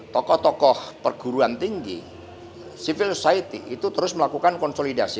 tokoh tokoh perguruan tinggi civil society itu terus melakukan konsolidasi